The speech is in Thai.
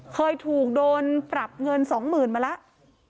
เคยถูกโดนปรับเงินสองหมื่นมาแล้ว